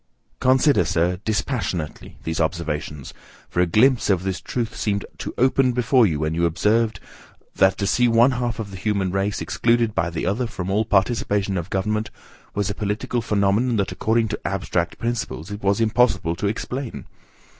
Consider, Sir, dispassionately, these observations, for a glimpse of this truth seemed to open before you when you observed, "that to see one half of the human race excluded by the other from all participation of government, was a political phenomenon that, according to abstract principles, it was impossible to explain."